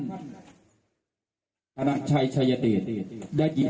ให้ท่านอนันชัยชัยเยตได้ยิน